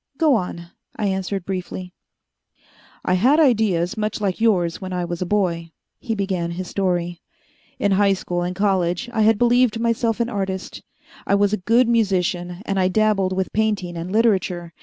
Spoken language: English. "Go on," I answered briefly. "I had ideas much like yours when I was a boy," he began his story. "In high school and college I had believed myself an artist. I was a good musician, and I dabbled with painting and literature.